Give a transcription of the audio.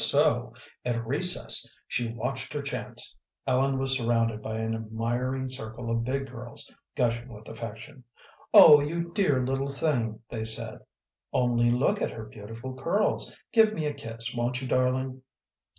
So at recess she watched her chance. Ellen was surrounded by an admiring circle of big girls, gushing with affection. "Oh, you dear little thing," they said. "Only look at her beautiful curls. Give me a kiss, won't you, darling?"